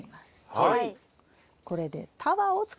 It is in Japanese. はい。